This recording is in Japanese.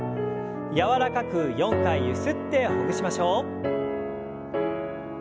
柔らかく４回ゆすってほぐしましょう。